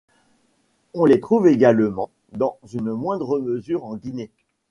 On les trouve également, dans une moindre mesure, en Guinée.